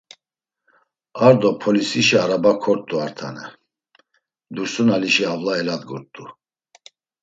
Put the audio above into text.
Ar do polisişi araba kort̆u ar tane, Dursunalişi avla eladgurt̆u.